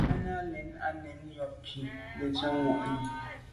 Nana lɛ̂n á nə yǒbkwì gə zí’ mwα̂ʼnì.